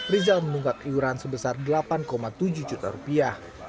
rizal menunggak iuran sebesar delapan tujuh juta rupiah